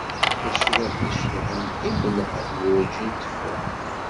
Tacriḥt icellḥen imellḥen, werǧin tfuḥ.